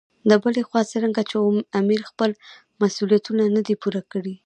له بلې خوا څرنګه چې امیر خپل مسولیتونه نه دي پوره کړي.